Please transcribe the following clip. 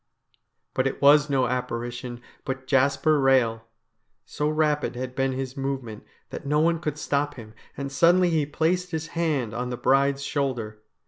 But it was no apparition, but Jasper Eehel. So rapid had been his movement that no one could stop him, and suddenly he placed his hand on the bride's shoulder.